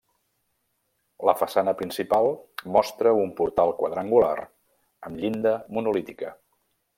La façana principal mostra un portal quadrangular amb llinda monolítica.